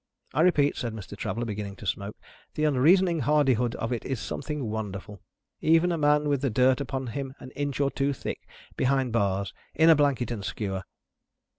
I repeat," said Mr. Traveller, beginning to smoke, "the unreasoning hardihood of it is something wonderful even in a man with the dirt upon him an inch or two thick behind bars in a blanket and skewer!"